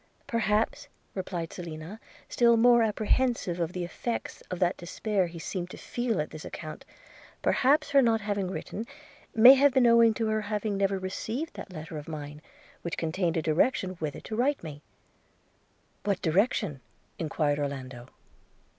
'Perhaps,' replied Selina, still more apprehensive of the effects of that despair he seemed to feel at this account – 'perhaps her not having written may have been owing to her having never received that letter of mine, which contained a direction whither to write to me.' 'What direction?' enquired Orlando.